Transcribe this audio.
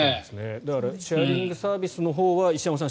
だからシェアリングサービスのほうは石山さん